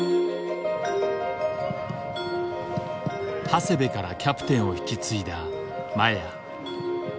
長谷部からキャプテンを引き継いだ麻也。